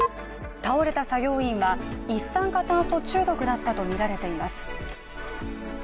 倒れた作業員は一酸化炭素中毒だったとみられています。